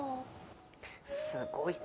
すごいね。